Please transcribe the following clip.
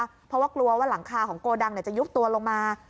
เพราะว่ากลัวว่าหลังคาของโกดังจะยุบตัวลงมา